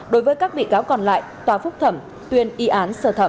đối với các bị cáo còn lại tòa phúc thẩm tuyên y án sơ thẩm